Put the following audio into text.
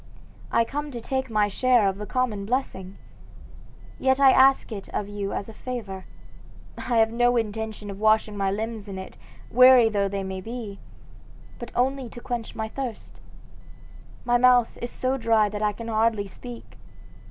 I come to take my share of the common blessing. Yet I ask it of you as a favor. I have no intention of washing my limbs in it, weary though they be, but only to quench my thirst. My mouth is so dry that I can hardly speak.